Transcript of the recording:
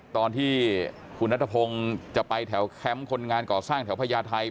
ตอนที่คุณนัทพงศ์จะไปแถวแคมป์คนงานก่อสร้างแถวพญาไทย